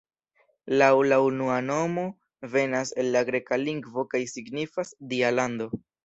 Laŭ la unua la nomo venas el la greka lingvo kaj signifas "Dia lando".